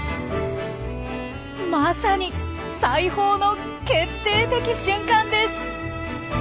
まさに裁縫の決定的瞬間です！